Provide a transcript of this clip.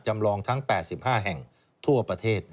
จำลองทั้ง๘๕แห่งทั่วประเทศ